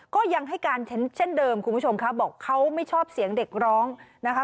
ก็ยังให้การเช่นเดิมคุณผู้ชมค่ะบอกเขาไม่ชอบเสียงเด็กร้องนะคะ